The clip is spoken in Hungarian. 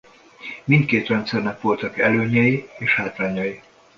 Mindkét rendszernek voltak előnyei és hátrányai.